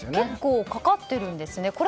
結構かかっているんですね。